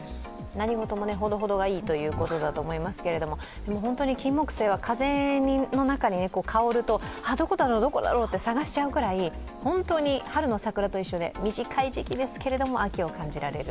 何事もほどほどがいいということだと思いますけど、金もくせいは風の中に香ると、どこだろう、どこだろうと探しちゃうくらい、本当に春の桜と一緒で短い時期ですけども、秋を感じられる。